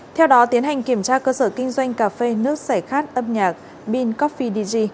theo đó tiến hành kiểm tra cơ sở kinh doanh cà phê nước sẻ khát âm nhạc bean coffee dg